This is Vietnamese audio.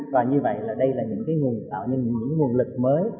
và như vậy là đây là những cái nguồn tạo nên những nguồn lực mới